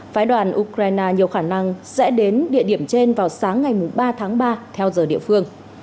phái đoàn ukraine nhiều khả năng sẽ đến địa điểm trên vào sáng ngày ba tháng ba theo giờ địa phương